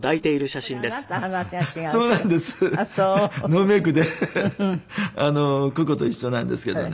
ノーメイクでココと一緒なんですけどね。